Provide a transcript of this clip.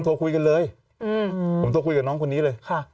โทรคุยกันเลยผมโทรคุยกับน้องคนนี้เลย